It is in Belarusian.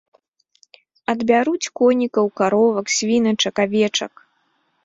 Адбяруць конікаў, каровак, свіначак, авечак.